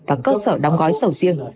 và cơ sở đóng gói sầu riêng